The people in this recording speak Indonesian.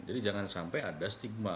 jadi jangan sampai ada stigma